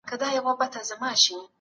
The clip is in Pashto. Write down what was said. موږ نه پوهیږو چي سبا به څه پیښیږي.